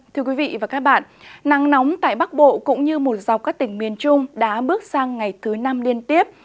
thưa quý vị và các bạn nắng nóng tại bắc bộ cũng như một dọc các tỉnh miền trung đã bước sang ngày thứ năm liên tiếp